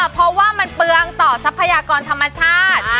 เพราะว่ามันเปลืองต่อทรัพยากรธรรมชาติ